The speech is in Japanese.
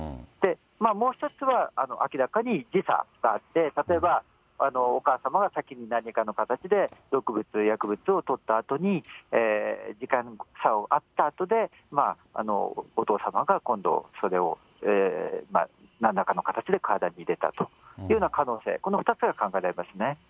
もう１つは、明らかに時差があって、例えばお母様が先になんらかの形で毒物、薬物をとったあとに、時間差があったあとで、お父様が今度それをなんらかの形で体に入れたというような可能性、この２つが考えられますね。